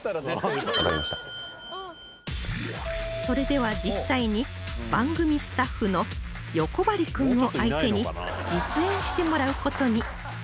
それでは実際に番組スタッフの横張君を相手に実演してもらう事に